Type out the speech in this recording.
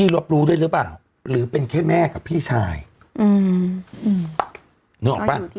รับรู้ด้วยหรือเปล่าหรือเป็นแค่แม่กับพี่ชายอืมนึกออกป่ะ